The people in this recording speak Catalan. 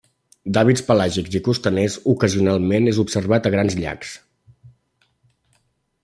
D'hàbits pelàgics i costaners, ocasionalment és observat a grans llacs.